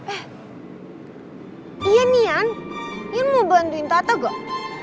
eh iyan nih iyan iyan mau bantuin tata nggak